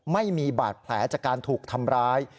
ไม่มีบาดแผลจากการถูกทำร้าย